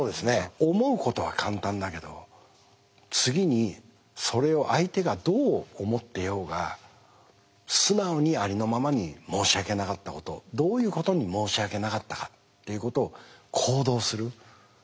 思うことは簡単だけど次にそれを相手がどう思ってようが素直にありのままに申し訳なかったことどういうことに申し訳なかったかっていうことを行動する。